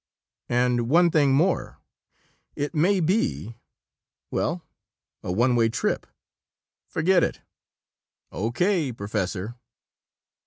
"And one thing more. It may be well, a one way trip." "Forget it." "O. K., Professor."